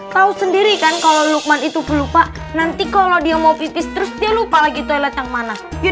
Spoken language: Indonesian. tahu sendiri kan kalau lukman itu lupa nanti kalau dia mau pipis terus dia lupa lagi toilet yang mana